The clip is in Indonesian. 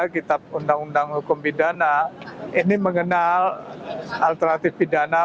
kitab undang undang hukum pidana ini mengenal alternatif pidana